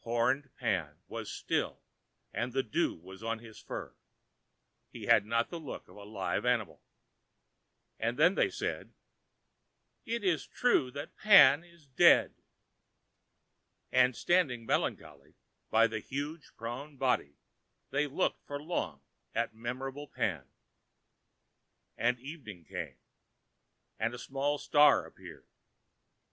Horned Pan was still and the dew was on his fur; he had not the look of a live animal. And then they said, "It is true that Pan is dead." And, standing melancholy by that huge prone body, they looked for long at memorable Pan. And evening came and a small star appeared.